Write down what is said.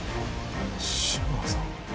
志村さん？